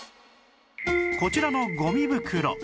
こちらのゴミ袋